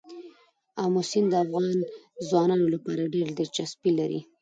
آمو سیند د افغان ځوانانو لپاره ډېره دلچسپي لري.